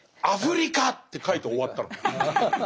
「アフリカ！！」って書いて終わったの。